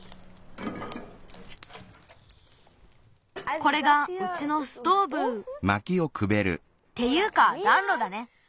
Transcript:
これがうちのストーブっていうかだんろだね。